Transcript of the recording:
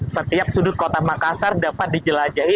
setiap sudut kota makassar dapat dijelajahi